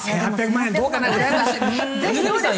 １８００万円どうかな。